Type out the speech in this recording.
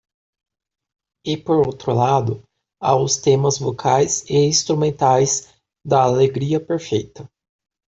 E por outro lado, há os temas vocais e instrumentais da alegria perfeita.